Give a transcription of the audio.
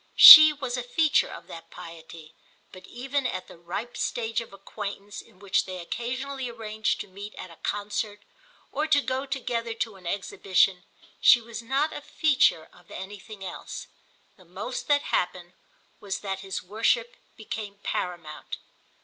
She was a feature of that piety, but even at the ripe stage of acquaintance in which they occasionally arranged to meet at a concert or to go together to an exhibition she was not a feature of anything else. The most that happened was that his worship became paramount.